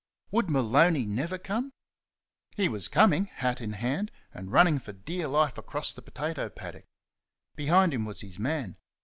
Would Maloney never come! He was coming, hat in hand, and running for dear life across the potato paddock. Behind him was his man.